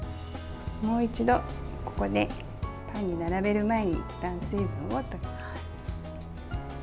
もう一度、ここでパンに並べる前にいったん水分を取ります。